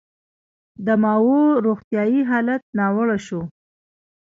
د ماوو روغتیايي حالت ناوړه شو.